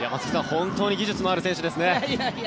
本当に技術のある選手ですね。